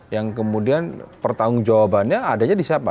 yang kemudian pertanggung jawabannya adanya di siapa